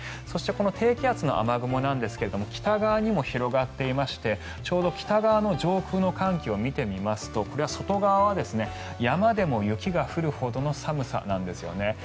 そしてこの低気圧の雨雲なんですが北側にも広がっていましてちょうど北側の上空の寒気を見てみますとこれは外側は山でも雪が降るほどの寒さなんですね。